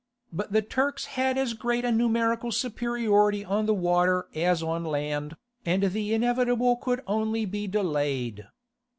But the Turks had as great a numerical superiority on the water as on land, and the inevitable could only be delayed.